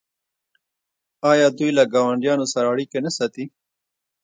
آیا دوی له ګاونډیانو سره اړیکې نه ساتي؟